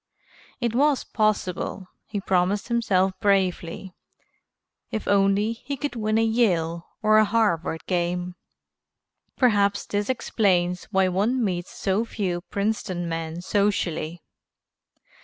It was possible, he promised himself bravely, if only he could win a Yale or a Harvard game." Perhaps this explains why one meets so few Princeton men socially.